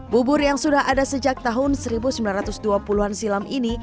bubur yang sudah ada sejak tahun seribu sembilan ratus dua puluh an silam ini